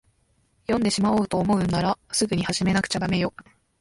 読んでしまおうと思うんなら、すぐに始めなくちゃだめよ。